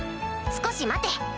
⁉少し待て！